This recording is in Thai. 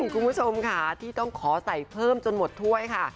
คุณผู้ชมค่ะที่ต้องขอใส่เพิ่มจนหมดถ้วยค่ะ